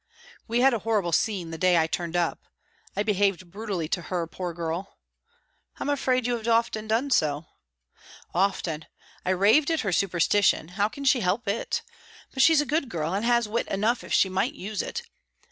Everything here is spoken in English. "We had a horrible scene that day I turned up. I behaved brutally to her, poor girl." "I'm afraid you have often done so." "Often. I rave at her superstition; how can she help it? But she's a good girl, and has wit enough if she might use it.